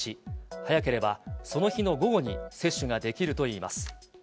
早ければその日の午後に接種ができるといいます。